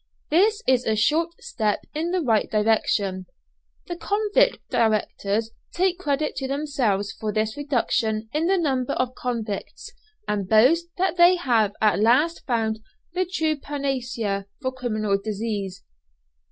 This is a short step in the right direction. The convict directors take credit to themselves for this reduction in the number of convicts, and boast that they have at last found the true panacea for criminal diseases.